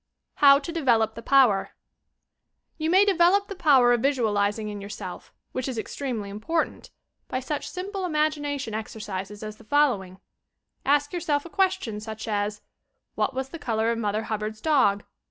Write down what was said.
HOW TO de:velop the power You may develop the power of visualizing in your self, wMch is extremely important, by such simple imagi nation exercises as the following: Ask yourself a ques tion, such as "What was the colour of Mother Hubbard's dog!"